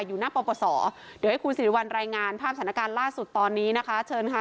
อยู่หน้าปปศเดี๋ยวให้คุณสิริวัลรายงานภาพสถานการณ์ล่าสุดตอนนี้นะคะเชิญค่ะ